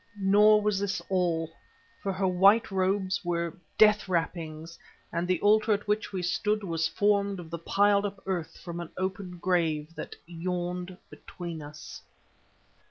Nor was this all, for her white robes were death wrappings, and the altar at which we stood was formed of the piled up earth from an open grave that yawned between us.